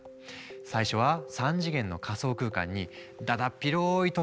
最初は３次元の仮想空間にだだっ広い土地があるだけ。